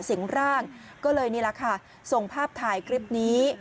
สิ่งร่างก็เลยนี่แหละค่ะส่งภาพถ่ายคลิปนี้